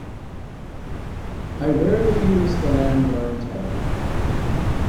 I rarely use the landline telephone.